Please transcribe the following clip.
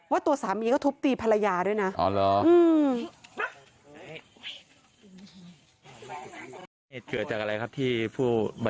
ตัวสามีก็ทุบตีภรรยาด้วยนะ